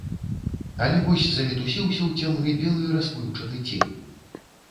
Але вось замітусіўся ў цемры белы расплыўчаты цень.